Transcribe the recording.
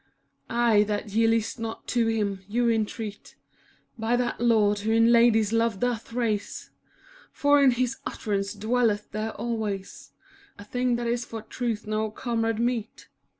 I, that ye list not to him, you entreat, ^ By that Lord who in ladies love doth raise; For in his utterance dwelleth there always A thing that is for Truth no comrade meet.